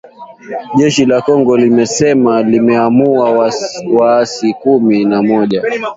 Jeshi la Kongo linasema limeua waasi kumi na mmoja